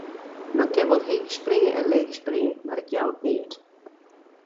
Men kin wol heech springe en leech springe, mar it jout neat.